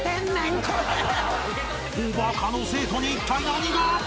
［おば科の生徒にいったい何が！？］